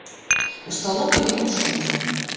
У сталовай вельмі шумна.